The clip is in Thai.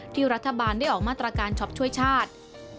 รัฐบาลได้ออกมาตรการช็อปช่วยชาติ